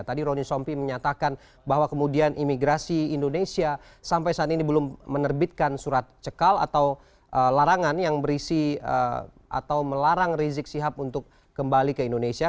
tadi roni sompi menyatakan bahwa kemudian imigrasi indonesia sampai saat ini belum menerbitkan surat cekal atau larangan yang berisi atau melarang rizik sihab untuk kembali ke indonesia